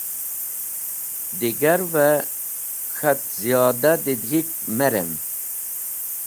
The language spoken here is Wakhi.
Digarvẽ k̃hat ziyoda dẽdg̃hik me rem.